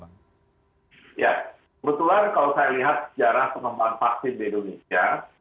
ya kebetulan kalau saya lihat sejarah pengembangan vaksin di indonesia